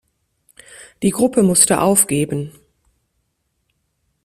Die Gruppe musste aufgeben.